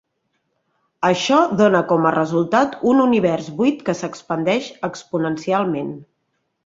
Això dóna com a resultat un univers buit que s'expandeix exponencialment.